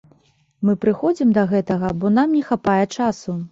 Мы прыходзім да гэтага, бо нам не хапае часу.